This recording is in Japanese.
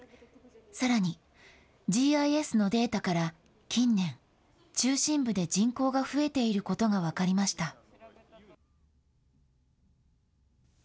さらに、ＧＩＳのデータから、近年、中心部で人口が増えていることが分かりました。